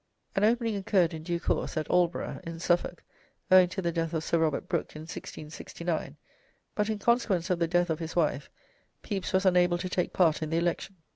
An opening occurred in due course, at Aldborough, in Suffolk, owing to the death of Sir Robert Brooke in 1669, but, in consequence of the death of his wife, Pepys was unable to take part in the election.